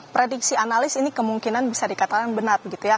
prediksi analis ini kemungkinan bisa dikatakan benar begitu ya